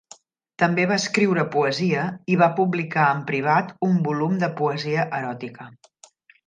També va escriure poesia i va publicar en privat un volum de poesia eròtica.